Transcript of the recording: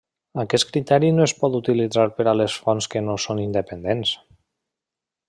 Aquest criteri no es pot utilitzar per a les fonts que no són independents.